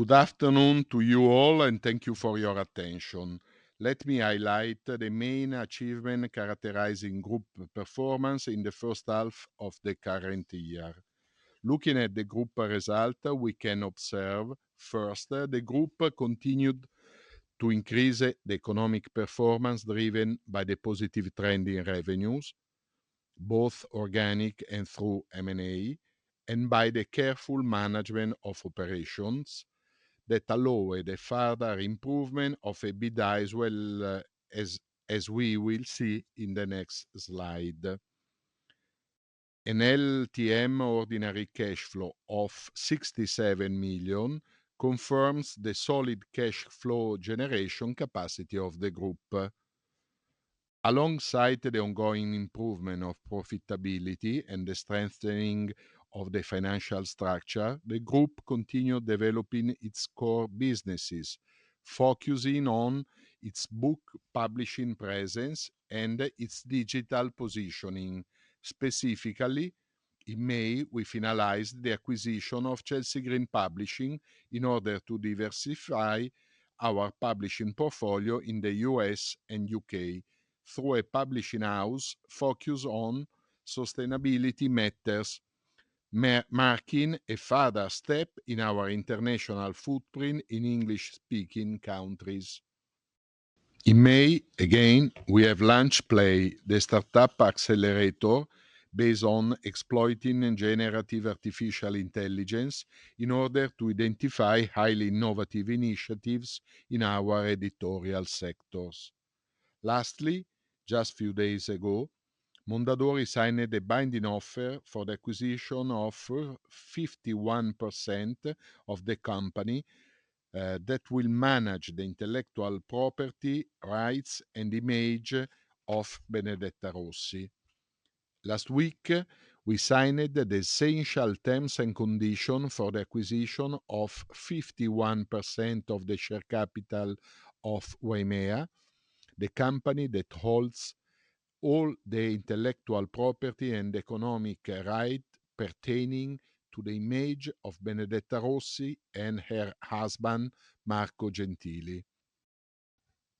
Good afternoon to you all, and thank you for your attention. Let me highlight the main achievements characterizing group performance in the first half of the current year. Looking at the group result, we can observe, first, the group continued to increase the economic performance driven by the positive trend in revenues, both organic and through M&A, and by the careful management of operations that allowed a further improvement of EBITDA, as we will see in the next slide. An LTM ordinary cash flow of 67 million confirms the solid cash flow generation capacity of the group. Alongside the ongoing improvement of profitability and the strengthening of the financial structure, the group continued developing its core businesses, focusing on its book publishing presence and its digital positioning. Specifically, in May, we finalized the acquisition of Chelsea Green Publishing in order to diversify our publishing portfolio in the U.S. and U.K. through a publishing house focused on sustainability matters, marking a further step in our international footprint in English-speaking countries. In May, again, we have launched PLAI, the startup accelerator based on exploiting generative artificial intelligence in order to identify highly innovative initiatives in our editorial sectors. Lastly, just a few days ago, Mondadori signed a binding offer for the acquisition of 51% of the company that will manage the intellectual property, rights, and image of Benedetta Rossi. Last week, we signed the essential terms and conditions for the acquisition of 51% of the share capital of Waimea, the company that holds all the intellectual property and economic rights pertaining to the image of Benedetta Rossi and her husband, Marco Gentili.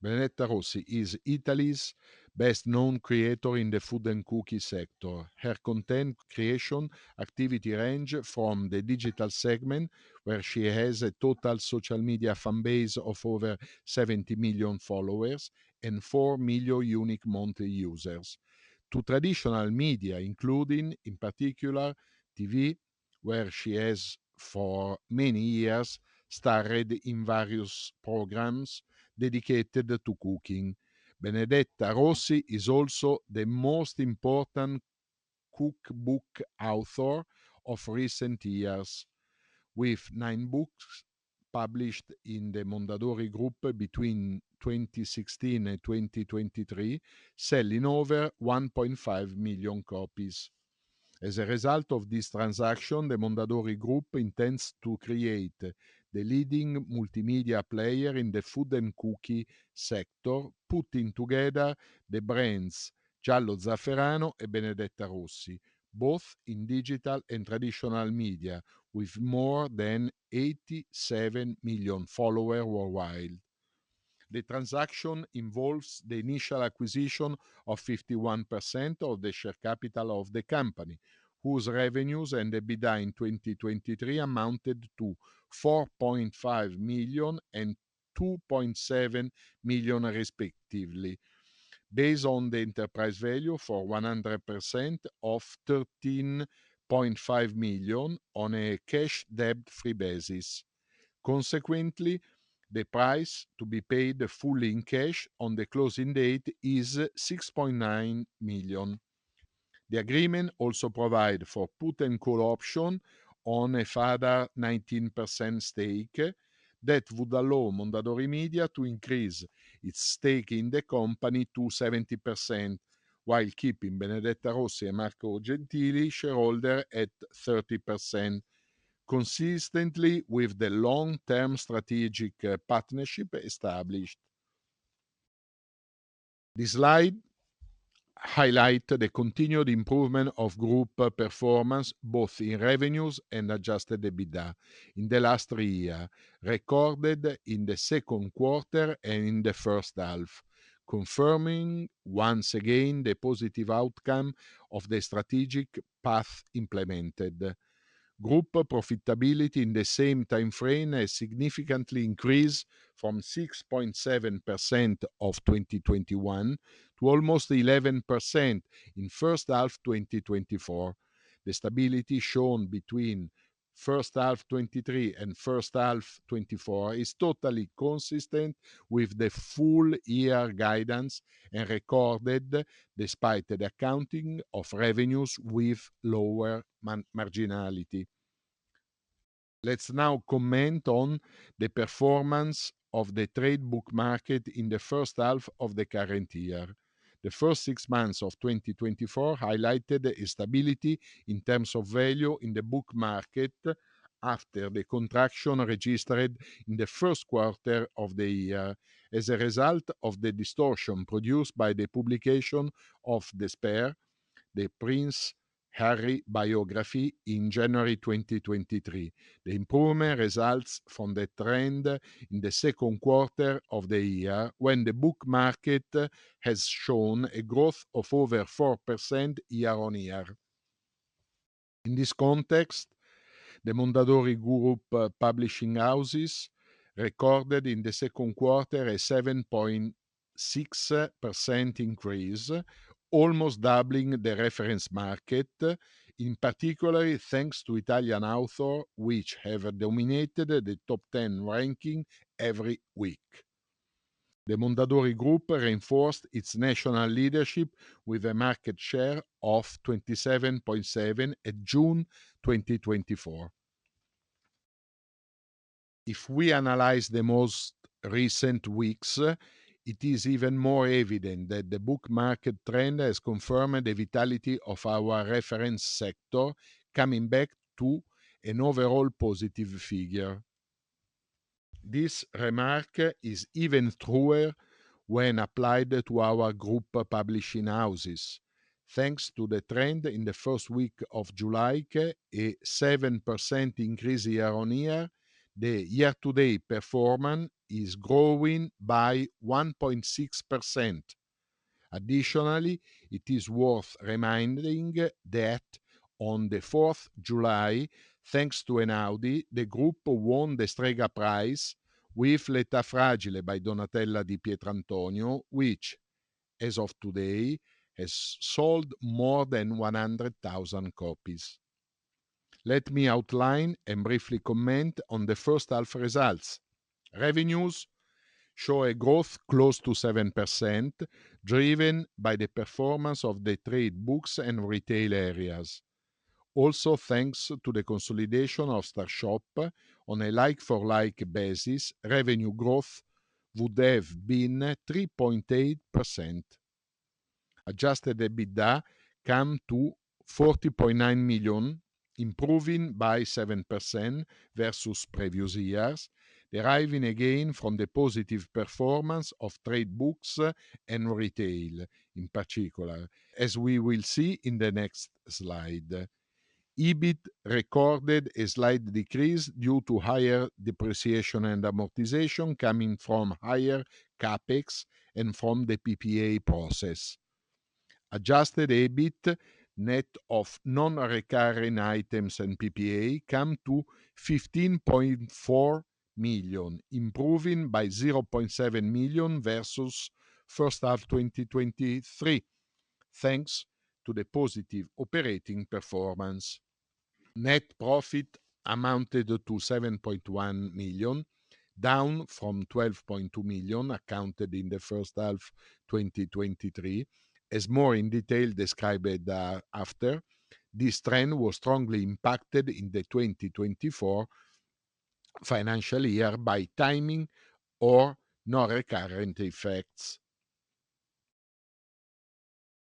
Benedetta Rossi is Italy's best-known creator in the food and cooking sector. Her content creation activity ranges from the digital segment, where she has a total social media fan base of over 70 million followers and 4 million unique monthly users, to traditional media, including, in particular, TV, where she has for many years starred in various programs dedicated to cooking. Benedetta Rossi is also the most important cookbook author of recent years, with nine books published in the Mondadori Group between 2016 and 2023, selling over 1.5 million copies. As a result of this transaction, the Mondadori Group intends to create the leading multimedia player in the food and cooking sector, putting together the brands GialloZafferano and Benedetta Rossi, both in digital and traditional media, with more than 87 million followers worldwide. The transaction involves the initial acquisition of 51% of the share capital of the company, whose revenues and EBITDA in 2023 amounted to 4.5 million and 2.7 million, respectively, based on the enterprise value for 100% of 13.5 million on a cash-debt-free basis. Consequently, the price to be paid fully in cash on the closing date is 6.9 million. The agreement also provides for put and call options on a further 19% stake that would allow Mondadori Media to increase its stake in the company to 70%, while keeping Benedetta Rossi and Marco Gentili shareholder at 30%, consistently with the long-term strategic partnership established. This slide highlights the continued improvement of group performance, both in revenues and adjusted EBITDA, in the last three years, recorded in the second quarter and in the first half, confirming once again the positive outcome of the strategic path implemented. Group profitability in the same time frame has significantly increased from 6.7% of 2021 to almost 11% in the first half of 2024. The stability shown between the first half of 2023 and the first half of 2024 is totally consistent with the full-year guidance and recorded despite the accounting of revenues with lower marginality. Let's now comment on the performance of the trade book market in the first half of the current year. The first six months of 2024 highlighted stability in terms of value in the book market after the contraction registered in the first quarter of the year. As a result of the distortion produced by the publication of the Spare, the Prince Harry biography in January 2023, the improvement results from the trend in the second quarter of the year, when the book market has shown a growth of over 4% year-on-year. In this context, the Mondadori Group publishing houses recorded in the second quarter a 7.6% increase, almost doubling the reference market, in particular thanks to Italian authors which have dominated the top 10 ranking every week. The Mondadori Group reinforced its national leadership with a market share of 27.7% at June 2024. If we analyze the most recent weeks, it is even more evident that the book market trend has confirmed the vitality of our reference sector, coming back to an overall positive figure. This remark is even truer when applied to our group publishing houses. Thanks to the trend in the first week of July, a 7% increase year-on-year, the year-to-date performance is growing by 1.6%. Additionally, it is worth reminding that on the 4th of July, thanks to Einaudi, the group won the Strega Prize with L'età fragile by Donatella Di Pietrantonio, which, as of today, has sold more than 100,000 copies. Let me outline and briefly comment on the first half results. Revenues show a growth close to 7%, driven by the performance of the trade books and retail areas. Also, thanks to the consolidation of Star Shop on a like-for-like basis, revenue growth would have been 3.8%. Adjusted EBITDA comes to 40.9 million, improving by 7% versus previous years, deriving again from the positive performance of trade books and retail, in particular, as we will see in the next slide. EBIT recorded a slight decrease due to higher depreciation and amortization coming from higher CapEx and from the PPA process. Adjusted EBIT net of non-recurring items and PPA comes to 15.4 million, improving by 0.7 million versus the first half of 2023, thanks to the positive operating performance. Net profit amounted to 7.1 million, down from 12.2 million accounted in the first half of 2023, as more in detail described after. This trend was strongly impacted in the 2024 financial year by timing or non-recurring effects.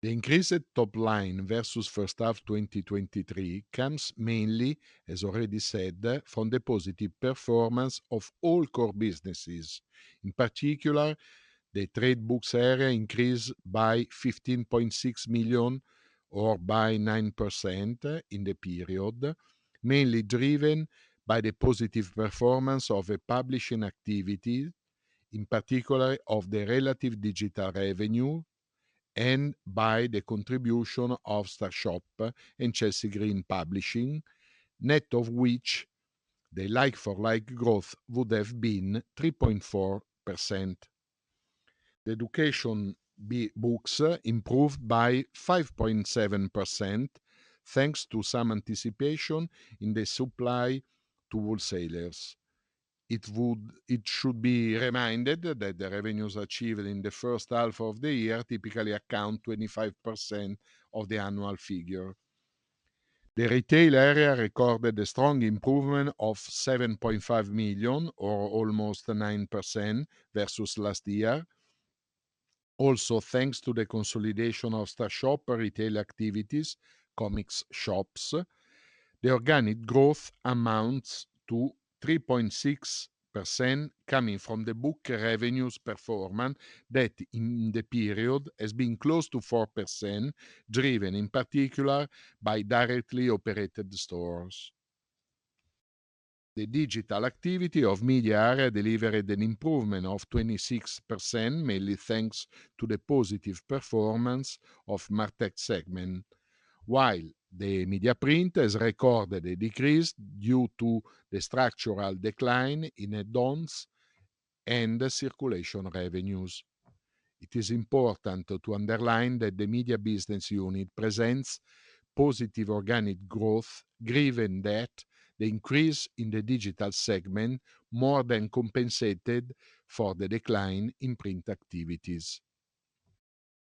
The increased top line versus the first half of 2023 comes mainly, as already said, from the positive performance of all core businesses. In particular, the trade books area increased by 15.6 million or by 9% in the period, mainly driven by the positive performance of publishing activities, in particular of the relative digital revenue, and by the contribution of Star Shop and Chelsea Green Publishing, net of which the like-for-like growth would have been 3.4%. The education books improved by 5.7%, thanks to some anticipation in the supply to wholesalers. It should be reminded that the revenues achieved in the first half of the year typically account for 25% of the annual figure. The retail area recorded a strong improvement of 7.5 million, or almost 9%, versus last year. Also, thanks to the consolidation of Star Shop retail activities, comic shops, the organic growth amounts to 3.6%, coming from the book revenues performance that in the period has been close to 4%, driven in particular by directly operated stores. The digital activity of media area delivered an improvement of 26%, mainly thanks to the positive performance of the Martech segment, while the media print has recorded a decrease due to the structural decline in add-ons and circulation revenues. It is important to underline that the media business unit presents positive organic growth, given that the increase in the digital segment more than compensated for the decline in print activities.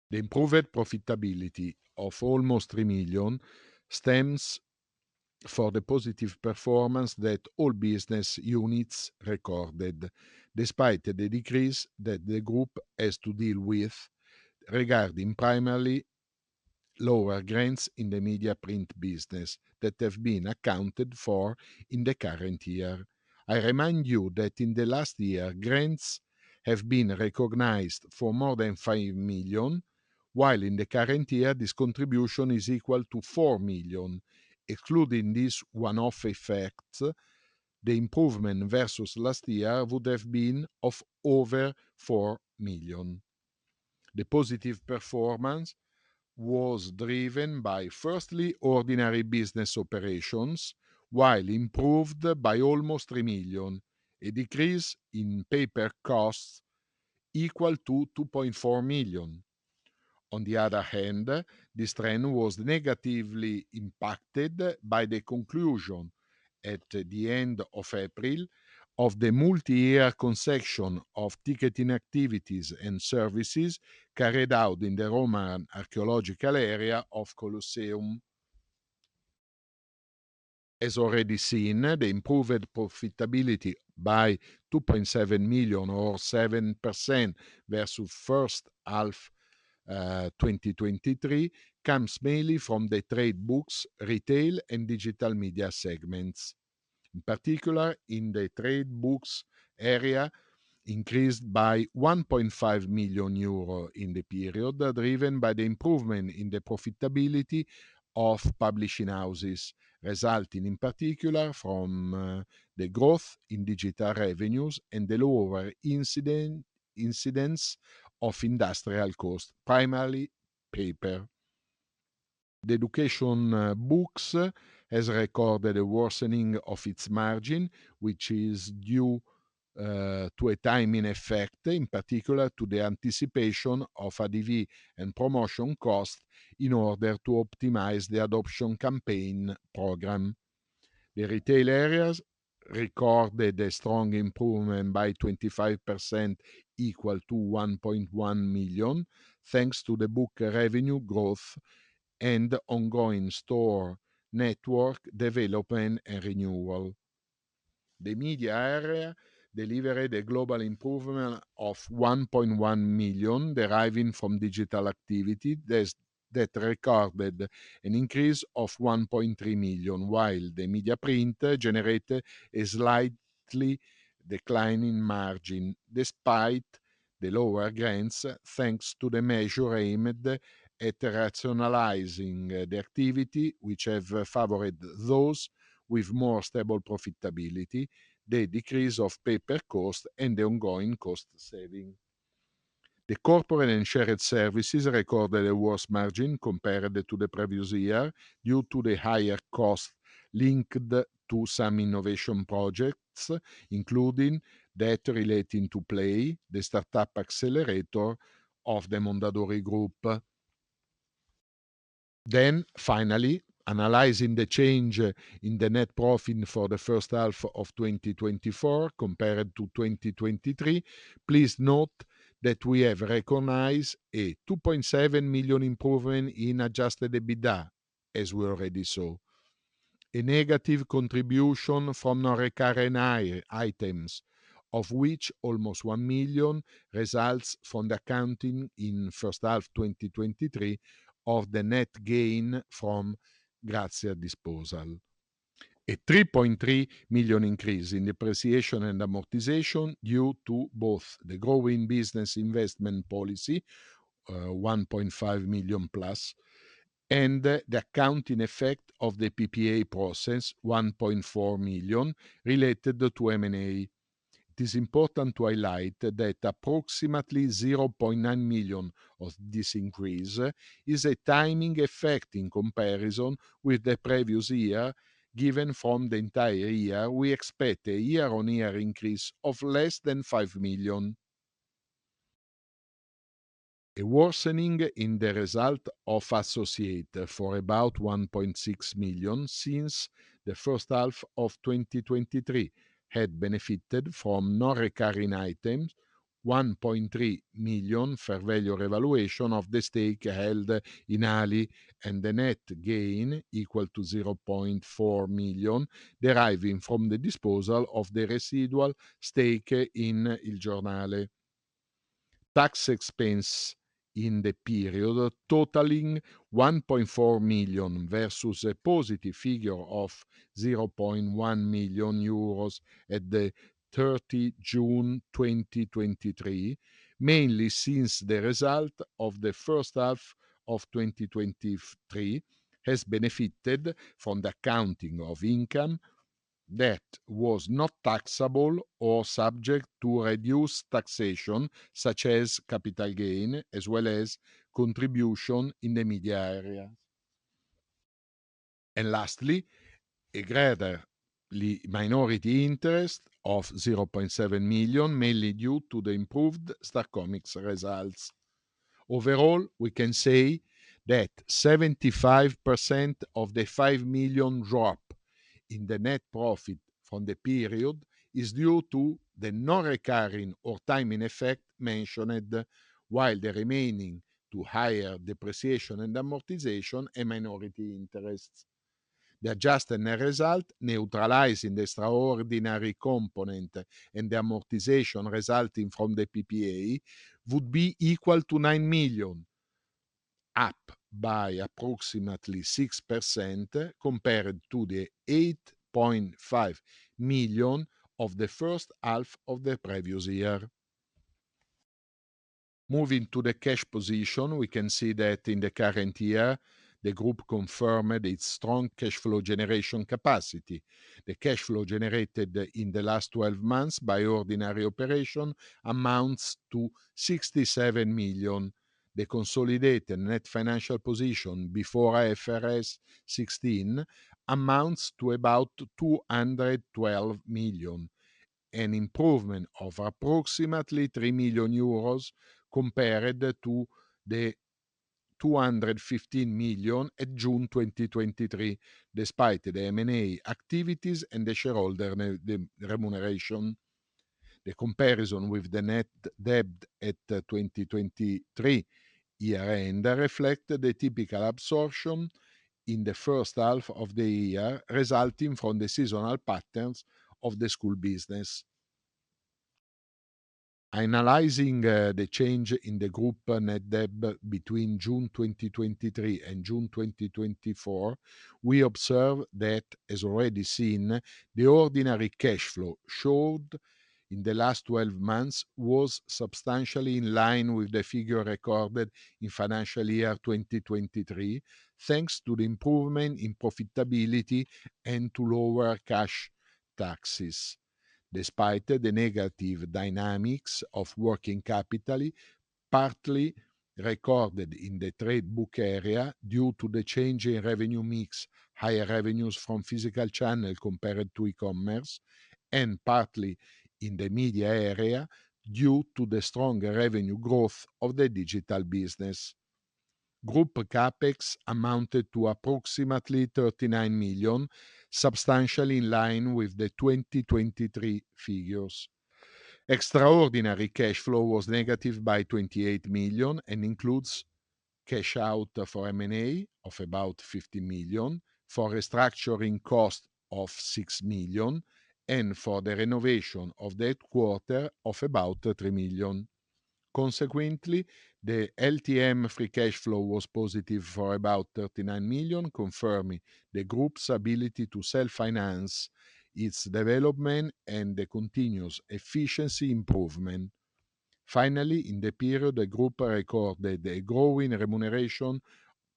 The improved profitability of almost 3 million stems from the positive performance that all business units recorded, despite the decrease that the group has to deal with regarding primarily lower grants in the media print business that have been accounted for in the current year. I remind you that in the last year, grants have been recognized for more than 5 million, while in the current year, this contribution is equal to 4 million. Excluding this one-off effect, the improvement versus last year would have been of over 4 million. The positive performance was driven by, firstly, ordinary business operations, while improved by almost 3 million, a decrease in paper costs equal to 2.4 million. On the other hand, this trend was negatively impacted by the conclusion at the end of April of the multi-year concession of ticketing activities and services carried out in the Roman archaeological area of the Colosseum. As already seen, the improved profitability by 2.7 million, or 7%, versus the first half of 2023 comes mainly from the trade books, retail, and digital media segments. In particular, in the trade books area, increased by 1.5 million euro in the period, driven by the improvement in the profitability of publishing houses, resulting in particular from the growth in digital revenues and the lower incidence of industrial costs, primarily paper. The education books has recorded a worsening of its margin, which is due to a timing effect, in particular to the anticipation of additional promotion costs in order to optimize the adoption campaign program. The retail areas recorded a strong improvement by 25%, equal to 1.1 million, thanks to the book revenue growth and ongoing store network development and renewal. The media area delivered a global improvement of 1.1 million, deriving from digital activity that recorded an increase of 1.3 million, while the media print generated a slightly declining margin, despite the lower grants, thanks to the measure aimed at rationalizing the activity, which has favored those with more stable profitability, the decrease of paper costs, and the ongoing cost saving. The corporate and shared services recorded a worse margin compared to the previous year due to the higher costs linked to some innovation projects, including that relating to Play, the startup accelerator of the Mondadori Group. Then, finally, analyzing the change in the net profit for the first half of 2024 compared to 2023, please note that we have recognized a 2.7 million improvement in adjusted EBITDA, as we already saw, a negative contribution from non-recurring items, of which almost 1 million results from the accounting in the first half of 2023 of the net gain from Grazia Disposal. A 3.3 million increase in depreciation and amortization due to both the growing business investment policy, 1.5 million plus, and the accounting effect of the PPA process, 1.4 million, related to M&A. It is important to highlight that approximately 0.9 million of this increase is a timing effect in comparison with the previous year, given from the entire year we expect a year-on-year increase of less than 5 million. A worsening in the result of associates for about 1.6 million since the first half of 2023 had benefited from non-recurring items, 1.3 million fair value revaluation of the stake held in ALI, and the net gain equal to 0.4 million, deriving from the disposal of the residual stake in Il Giornale. Tax expense in the period totaling 1.4 million versus a positive figure of 0.1 million euros at the 30 June 2023, mainly since the result of the first half of 2023 has benefited from the accounting of income that was not taxable or subject to reduced taxation, such as capital gain, as well as contribution in the media area. And lastly, a greater minority interest of 0.7 million, mainly due to the improved Star Comics results. Overall, we can say that 75% of the 5 million drop in the net profit from the period is due to the non-recurring or timing effect mentioned, while the remaining to higher depreciation and amortization and minority interests. The adjusted net result, neutralizing the extraordinary component and the amortization resulting from the PPA, would be equal to 9 million, up by approximately 6% compared to the 8.5 million of the first half of the previous year. Moving to the cash position, we can see that in the current year, the group confirmed its strong cash flow generation capacity. The cash flow generated in the last 12 months by ordinary operation amounts to 67 million. The consolidated net financial position before IFRS 16 amounts to about 212 million, an improvement of approximately 3 million euros compared to the 215 million at June 2023, despite the M&A activities and the shareholder remuneration. The comparison with the net debt at 2023 year-end reflects the typical absorption in the first half of the year, resulting from the seasonal patterns of the school business. Analyzing the change in the group net debt between June 2023 and June 2024, we observe that, as already seen, the ordinary cash flow showed in the last 12 months was substantially in line with the figure recorded in financial year 2023, thanks to the improvement in profitability and to lower cash taxes. Despite the negative dynamics of working capital, partly recorded in the trade book area due to the change in revenue mix, higher revenues from physical channel compared to e-commerce, and partly in the media area due to the stronger revenue growth of the digital business. Group Capex amounted to approximately 39 million, substantially in line with the 2023 figures. Extraordinary cash flow was negative by 28 million and includes cash out for M&A of about 15 million, for restructuring cost of 6 million, and for the renovation of that quarter of about 3 million. Consequently, the LTM free cash flow was positive for about 39 million, confirming the group's ability to self-finance its development and the continuous efficiency improvement. Finally, in the period, the group recorded a growing remuneration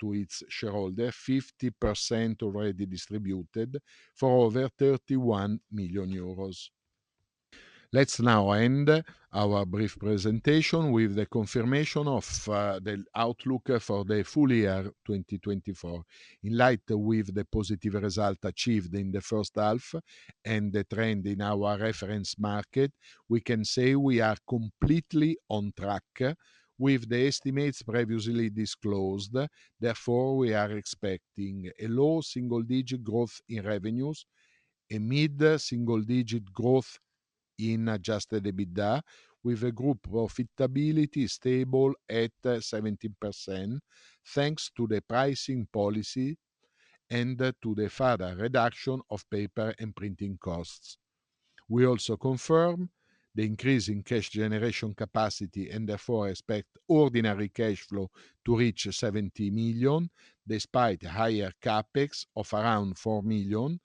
to its shareholders, 50% already distributed, for over 31 million euros. Let's now end our brief presentation with the confirmation of the outlook for the full year 2024. In light of the positive result achieved in the first half and the trend in our reference market, we can say we are completely on track with the estimates previously disclosed. Therefore, we are expecting a low single-digit growth in revenues, a mid-single-digit growth in adjusted EBITDA, with a group profitability stable at 17%, thanks to the pricing policy and to the further reduction of paper and printing costs. We also confirm the increase in cash generation capacity and therefore expect ordinary cash flow to reach 70 million, despite a higher CapEx of around €4 million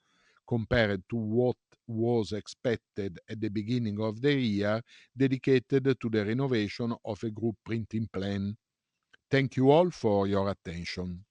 compared to what was expected at the beginning of the year dedicated to the renovation of a group printing plant. Thank you all for your attention.